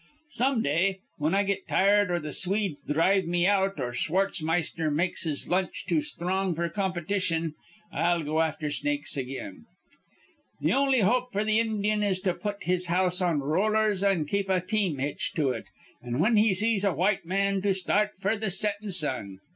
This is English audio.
Some day, whin I get tired or th' Swedes dhrive me out or Schwartzmeister makes his lunch too sthrong f'r competition, I'll go afther Snakes again. "Th' on'y hope f'r th Indyun is to put his house on rollers, an' keep a team hitched to it, an', whin he sees a white man, to start f'r th' settin' sun.